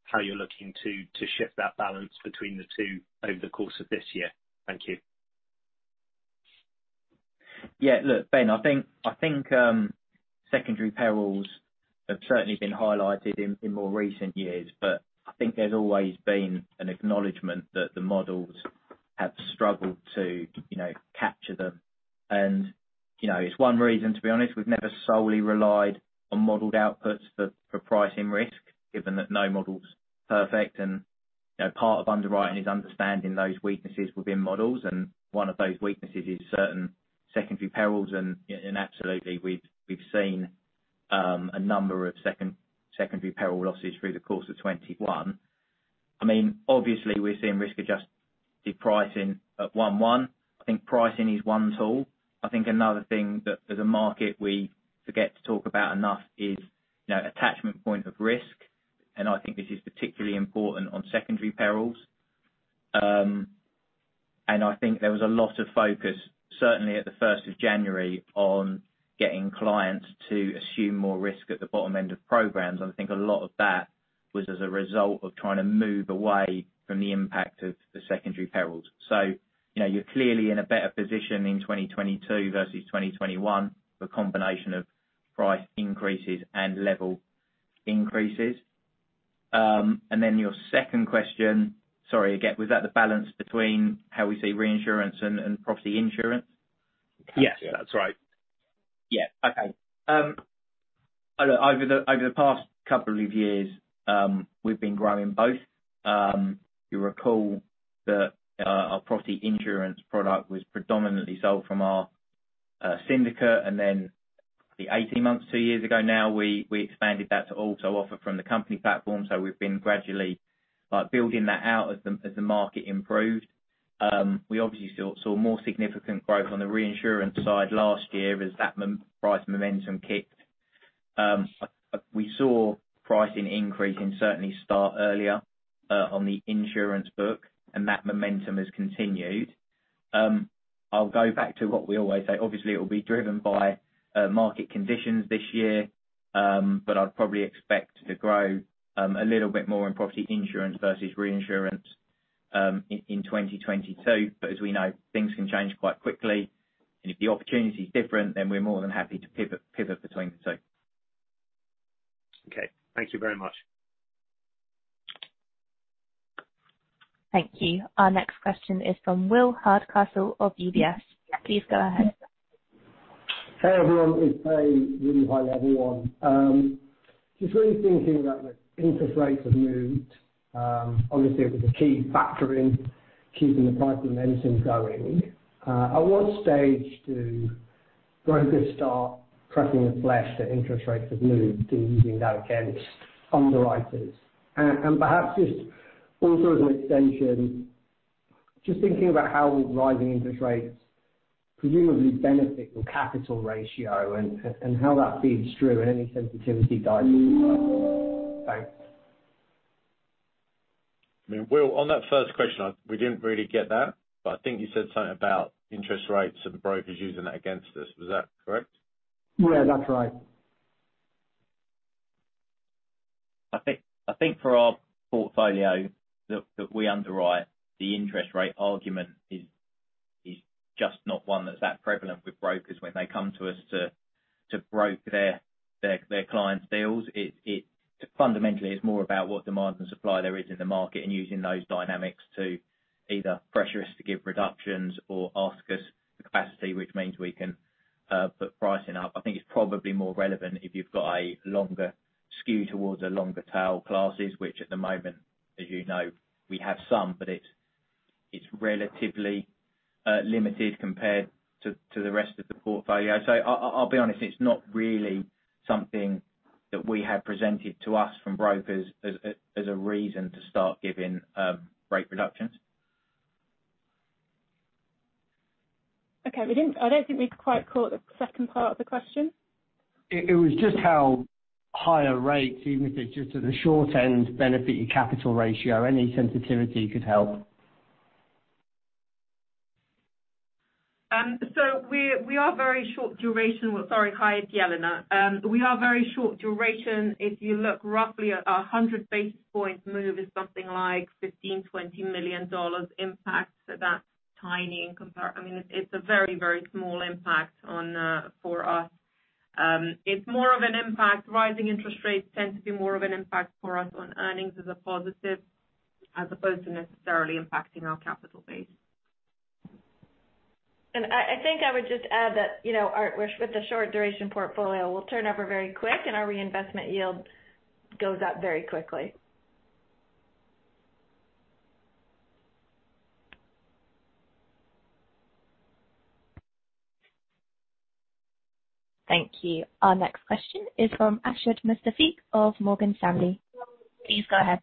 how you're looking to shift that balance between the two over the course of this year. Thank you. Yeah. Look, Ben, I think secondary perils have certainly been highlighted in more recent years. I think there's always been an acknowledgement that the models have struggled to, you know, capture them. You know, it's one reason, to be honest, we've never solely relied on modeled outputs for pricing risk, given that no model's perfect. You know, part of underwriting is understanding those weaknesses within models, and one of those weaknesses is certain secondary perils. Absolutely, we've seen a number of secondary peril losses through the course of 2021. I mean, obviously we're seeing risk-adjusted pricing at 1-1. I think pricing is one tool. I think another thing that as a market we forget to talk about enough is, you know, attachment point of risk, and I think this is particularly important on secondary perils. I think there was a lot of focus, certainly at the first of January, on getting clients to assume more risk at the bottom end of programs. I think a lot of that was as a result of trying to move away from the impact of the secondary perils. You know, you're clearly in a better position in 2022 versus 2021 for a combination of price increases and level increases. Your second question. Sorry, again, was that the balance between how we see reinsurance and property insurance? Yes, that's right. Yeah. Okay. Over the past couple of years, we've been growing both. You'll recall that our property insurance product was predominantly sold from our syndicate and then 18 months, two years ago now, we expanded that to also offer from the company platform. We've been gradually, like building that out as the market improved. We obviously saw more significant growth on the reinsurance side last year as that price momentum kicked. We saw pricing increasing certainly start earlier on the insurance book, and that momentum has continued. I'll go back to what we always say. Obviously, it will be driven by market conditions this year, but I'd probably expect to grow a little bit more on property insurance versus reinsurance in 2022. as we know, things can change quite quickly. If the opportunity is different, then we're more than happy to pivot between the two. Okay. Thank you very much. Thank you. Our next question is from Will Hardcastle of UBS. Please go ahead. Hey, everyone. It's a really high level one. Just really thinking about the interest rates have moved. Obviously, it was a key factor in keeping the price momentum going. At what stage do brokers start pressing the flesh that interest rates have moved to using that against underwriters? And perhaps just also as an extension, just thinking about how rising interest rates presumably benefit the capital ratio and how that feeds through and any sensitivity. I mean, Will, on that first question, we didn't really get that. I think you said something about interest rates and brokers using that against us. Was that correct? Yeah, that's right. I think for our portfolio that we underwrite, the interest rate argument is just not one that's prevalent with brokers when they come to us to broker their clients' deals. It fundamentally is more about what demand and supply there is in the market and using those dynamics to either pressure us to give reductions or ask us for capacity, which means we can put pricing up. I think it's probably more relevant if you've got a longer skew towards the longer tail classes, which at the moment, as you know, we have some, but it's relatively limited compared to the rest of the portfolio. I'll be honest, it's not really something that we have presented to us from brokers as a reason to start giving rate reductions. Okay. I don't think we quite caught the second part of the question. It was just how higher rates, even if it's just at the short end, benefit your capital ratio. Any sensitivity could help. Hi, it's Jelena. We are very short duration. If you look, roughly 100 basis points move is something like $15 million-$20 million impact. That's tiny. I mean, it's a very, very small impact on for us. It's more of an impact. Rising interest rates tend to be more of an impact for us on earnings as a positive, as opposed to necessarily impacting our capital base. I think I would just add that, you know, our, with the short duration portfolio, we'll turn over very quick and our reinvestment yield goes up very quickly. Thank you. Our next question is from Ashik Musaddi of Morgan Stanley. Please go ahead.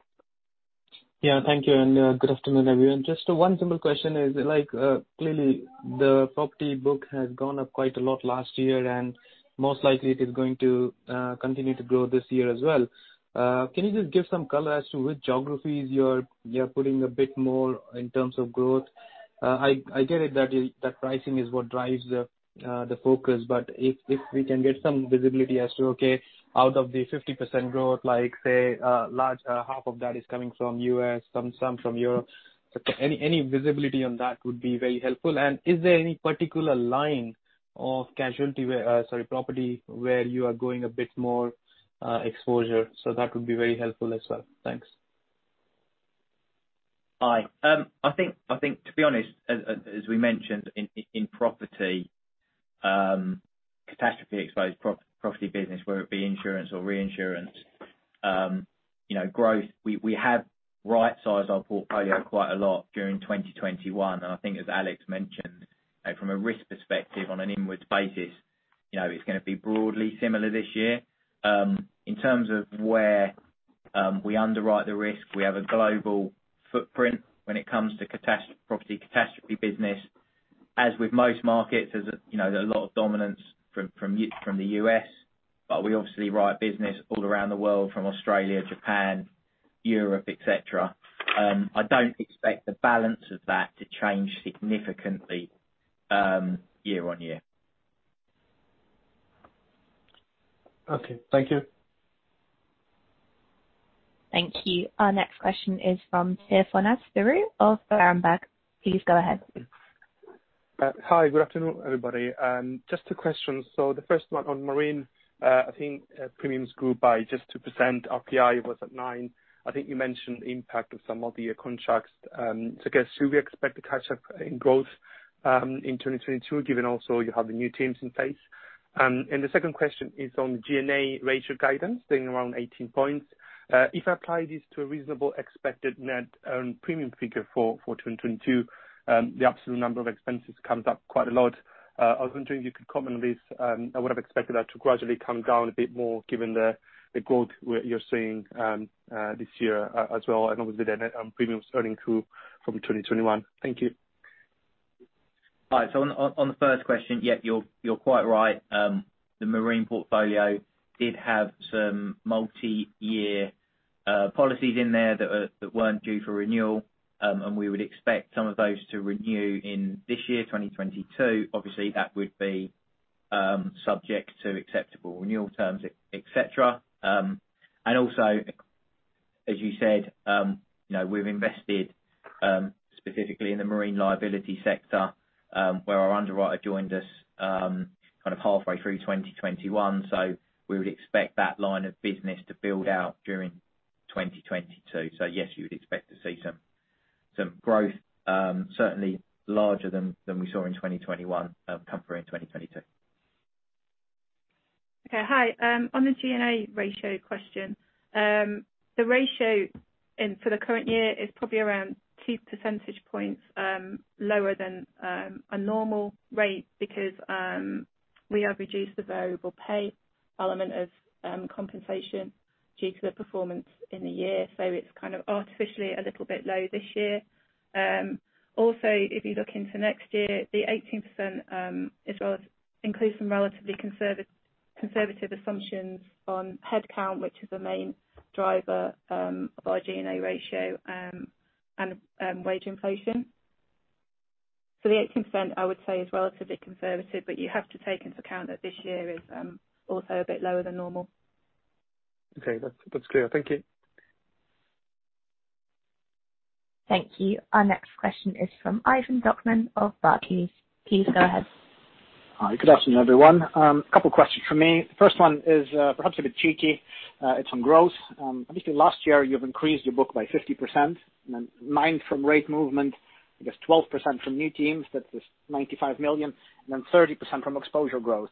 Yeah, thank you, and good afternoon, everyone. Just one simple question is like, clearly the property book has gone up quite a lot last year, and most likely it is going to continue to grow this year as well. Can you just give some color as to which geographies you're putting a bit more in terms of growth? I get it that that pricing is what drives the focus. If we can get some visibility as to, okay, out of the 50% growth, like, say, a large half of that is coming from U.S., some from Europe. Any visibility on that would be very helpful. Is there any particular line of property where you are going a bit more exposure? That would be very helpful as well. Thanks. Hi. I think to be honest, as we mentioned in property catastrophe exposed property business, whether it be insurance or reinsurance, you know, growth, we have rightsized our portfolio quite a lot during 2021. I think as Alex mentioned, from a risk perspective on an inwards basis, you know, it's gonna be broadly similar this year. In terms of where we underwrite the risk, we have a global footprint when it comes to property catastrophe business. As with most markets, you know, there's a lot of dominance from the U.S. We obviously write business all around the world from Australia, Japan, Europe, et cetera. I don't expect the balance of that to change significantly year on year. Okay, thank you. Thank you. Our next question is from Tryfonas Spyrou of Berenberg. Please go ahead. Hi. Good afternoon, everybody. Just two questions. The first one on marine. I think premiums grew by just 2%, RPI was at nine. I think you mentioned the impact of some multi-year contracts. I guess should we expect to catch up in growth in 2022, given also you have the new teams in place? The second question is on G&A ratio guidance being around 18 points. If I apply this to a reasonable expected net owned premium figure for 2022, the absolute number of expenses comes up quite a lot. I was wondering if you could comment on this. I would have expected that to gradually come down a bit more given the growth that you're seeing this year as well, and obviously the net premiums earning curve from 2021. Thank you. All right. On the first question, yeah, you're quite right. The marine portfolio did have some multi-year policies in there that weren't due for renewal. We would expect some of those to renew in this year, 2022. Obviously, that would be subject to acceptable renewal terms, et cetera. Also as you said, you know, we've invested specifically in the marine liability sector, where our underwriter joined us kind of halfway through 2021. We would expect that line of business to build out during 2022. Yes, you would expect to see some growth certainly larger than we saw in 2021 come through in 2022. On the G&A ratio question. The ratio for the current year is probably around 2 percentage points lower than a normal rate because we have reduced the variable pay element of compensation due to the performance in the year. It's kind of artificially a little bit low this year. Also, if you look into next year, the 18% as well includes some relatively conservative assumptions on headcount, which is the main driver of our G&A ratio, and wage inflation. The 18% I would say is relatively conservative, but you have to take into account that this year is also a bit lower than normal. Okay. That's clear. Thank you. Thank you. Our next question is from Ivan Bokhmat of Barclays. Please go ahead. Hi. Good afternoon, everyone. A couple questions from me. The first one is, perhaps a bit cheeky. It's on growth. Obviously last year you've increased your book by 50%. 9% from rate movement, I guess 12% from new teams. That's 95 million. 30% from exposure growth.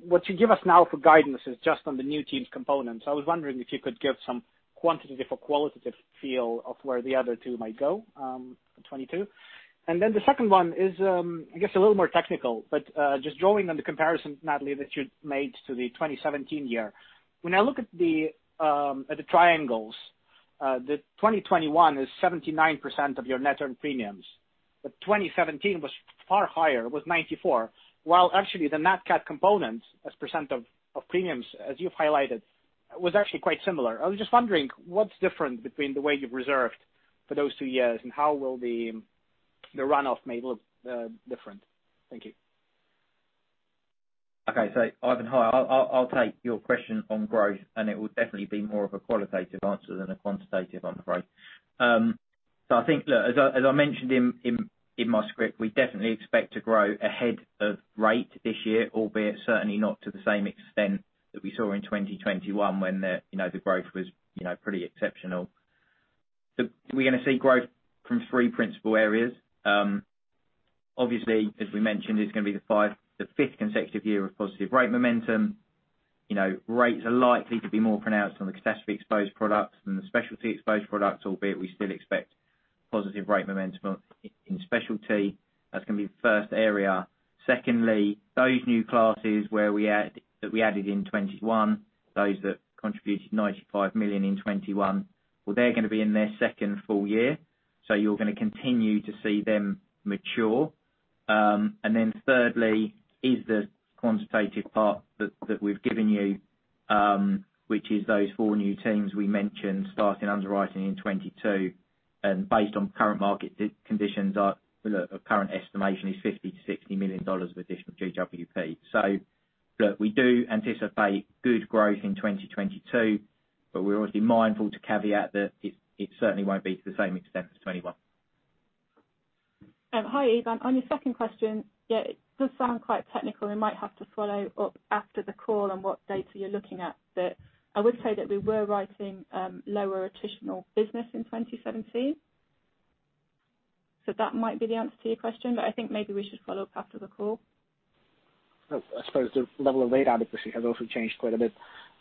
What you give us now for guidance is just on the new teams component. I was wondering if you could give some quantitative or qualitative feel of where the other two might go, in 2022. The second one is, I guess a little more technical. Just drawing on the comparison, Natalie, that you made to the 2017 year. When I look at the triangles, the 2021 is 79% of your net earned premiums. 2017 was far higher, it was 94, while actually the Nat Cat component as percent of premiums as you've highlighted, was actually quite similar. I was just wondering what's different between the way you've reserved for those two years, and how the runoff may look different? Thank you. Okay. Ivan, hi. I'll take your question on growth, and it will definitely be more of a qualitative answer than a quantitative on the growth. I think look, as I mentioned in my script, we definitely expect to grow ahead of rate this year, albeit certainly not to the same extent that we saw in 2021 when you know, the growth was you know, pretty exceptional. We're gonna see growth from three principal areas. Obviously, as we mentioned, it's gonna be the fifth consecutive year of positive rate momentum. You know, rates are likely to be more pronounced on the catastrophe exposed products than the specialty exposed products, albeit we still expect positive rate momentum in specialty. That's gonna be the first area. Secondly, those new classes where we add, that we added in 2021, those that contributed $95 million in 2021, well, they're gonna be in their second full year. You're gonna continue to see them mature. And then thirdly is the quantitative part that we've given you, which is those four new teams we mentioned starting underwriting in 2022. Based on current market conditions, our, you know, our current estimation is $50 million-$60 million of additional GWP. Look, we do anticipate good growth in 2022, but we're obviously mindful to caveat that it certainly won't be to the same extent as 2021. Hi, Ivan. On your second question, yeah, it does sound quite technical. I might have to follow up after the call on what data you're looking at. I would say that we were writing lower attritional business in 2017. That might be the answer to your question. I think maybe we should follow up after the call. I suppose the level of rate adequacy has also changed quite a bit.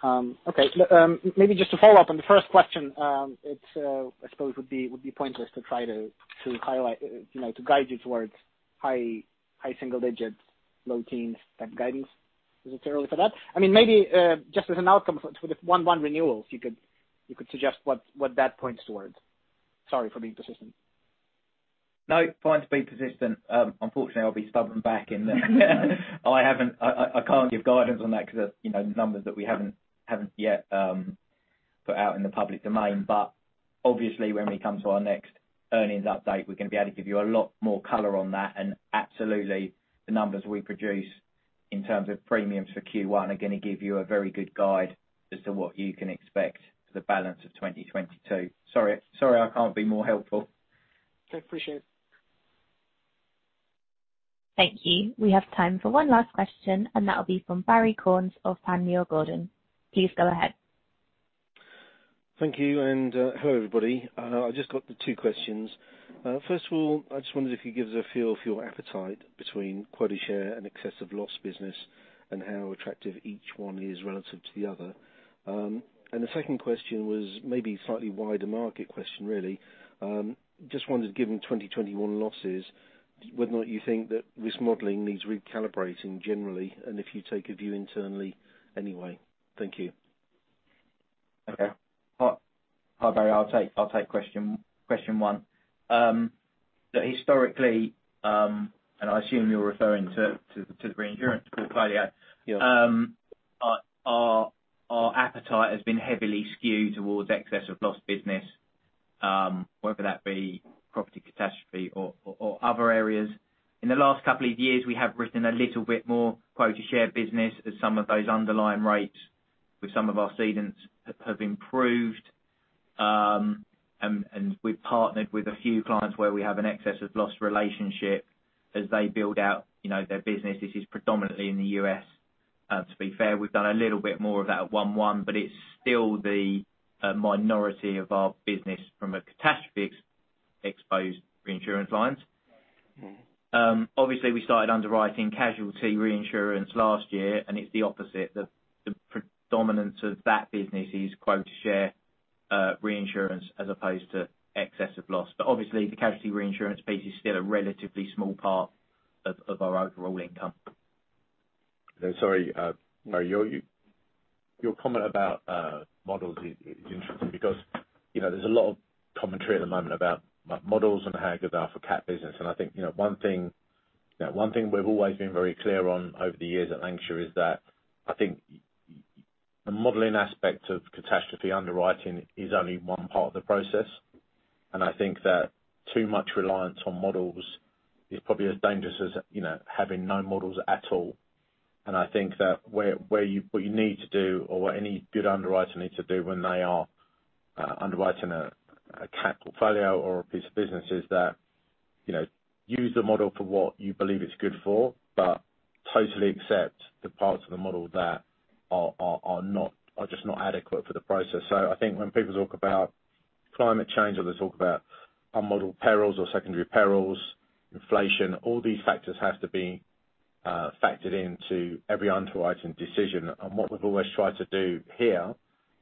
Okay. Look, maybe just to follow up on the first question. I suppose it would be pointless to try to highlight, you know, to guide you towards high single digits, low teens type guidance. Is it too early for that? I mean, maybe just as an outcome for the 1-1 renewals, you could suggest what that points towards. Sorry for being persistent. No, fine to be persistent. Unfortunately, I'll be stubborn back in that I haven't. I can't give guidance on that because they're, you know, numbers that we haven't yet put out in the public domain. Obviously when we come to our next earnings update, we're gonna be able to give you a lot more color on that. Absolutely the numbers we produce in terms of premiums for Q1 are gonna give you a very good guide as to what you can expect for the balance of 2022. Sorry I can't be more helpful. Okay. Appreciate it. Thank you. We have time for one last question, and that will be from Barrie Cornes of Panmure Gordon. Please go ahead. Thank you. Hello, everybody. I just got the two questions. First of all, I just wondered if you could give us a feel for your appetite between quota share and excess of loss business and how attractive each one is relative to the other. The second question was maybe slightly wider market question really. Just wondered, given 2021 losses, whether or not you think that risk modeling needs recalibrating generally, and if you take a view internally anyway. Thank you. Okay. Hi, Barrie. I'll take question one. Historically, I assume you're referring to the reinsurance portfolio. Yes. Our appetite has been heavily skewed towards excess of loss business, whether that be property catastrophe or other areas. In the last couple of years, we have written a little bit more quota share business as some of those underlying rates with some of our cedents have improved. We've partnered with a few clients where we have an excess of loss relationship as they build out, you know, their business. This is predominantly in the U.S., to be fair. We've done a little bit more of that at 1-1, but it's still the minority of our business from a catastrophe exposed reinsurance lines. Mm-hmm. Obviously we started underwriting casualty reinsurance last year. It's the opposite. The predominance of that business is quota share reinsurance as opposed to excess of loss. Obviously the casualty reinsurance piece is still a relatively small part of our overall income. Sorry. Your comment about models is interesting because, you know, there's a lot of commentary at the moment about models and how good they are for cat business. I think, you know, one thing we've always been very clear on over the years at Lancashire is that I think the modeling aspect of catastrophe underwriting is only one part of the process. I think that too much reliance on models is probably as dangerous as, you know, having no models at all. I think that where you... What you need to do or what any good underwriter needs to do when they are underwriting a cat portfolio or a piece of business is that, you know, use the model for what you believe it's good for, but totally accept the parts of the model that are just not adequate for the process. I think when people talk about climate change or they talk about unmodeled perils or secondary perils, inflation, all these factors have to be factored into every underwriting decision. What we've always tried to do here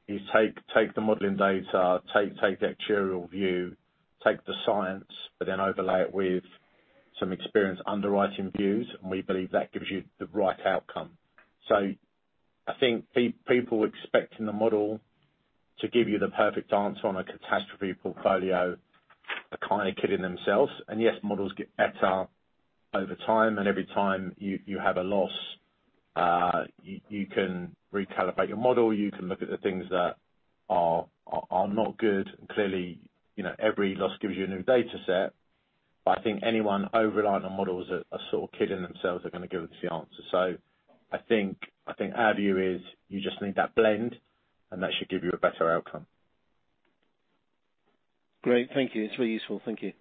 is take the modeling data, take the actuarial view, take the science, but then overlay it with some experienced underwriting views, and we believe that gives you the right outcome. I think people expecting the model to give you the perfect answer on a catastrophe portfolio are kinda kidding themselves. Yes, models get better over time, and every time you have a loss, you can recalibrate your model. You can look at the things that are not good. Clearly, you know, every loss gives you a new data set. I think anyone over-reliant on models are sort of kidding themselves are gonna give it the answer. I think our view is you just need that blend, and that should give you a better outcome. Great. Thank you. It's really useful. Thank you.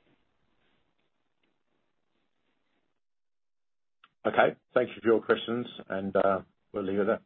Okay. Thank you for your questions and, we'll leave it at that.